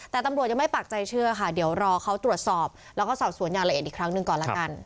แต่ตำรวจยังไม่ปากใจเชื่อค่ะเดี๋ยวรอเขาตรวจสอบแล้วก็สอบสวนอย่างละเอียดอีกครั้งหนึ่งก่อนละกัน